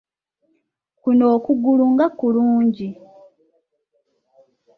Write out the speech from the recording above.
Kuno okugulu nga kulungi!